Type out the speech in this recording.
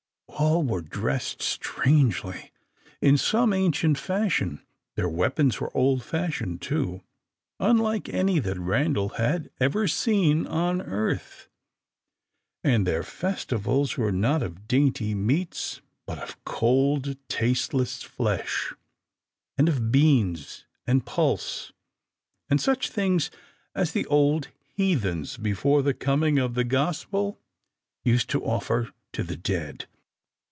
All were dressed strangely in some ancient fashion; their weapons were old fashioned, too, unlike any that Randal had ever seen on earth. And their festivals were not of dainty meats, but of cold, tasteless flesh, and of beans, and pulse, and such things as the old heathens, before the coming of the Gospel, used to offer to the dead.